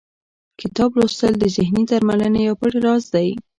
کتاب لوستل د ذهني درملنې یو پټ راز دی.